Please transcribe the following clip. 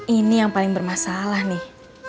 ini yang paling bermasalah nih